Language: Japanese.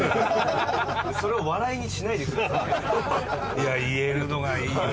いや言えるのがいいよ。